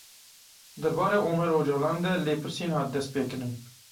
Derbarê Omer Ocalan de lêpirsîn hat destpêkirin.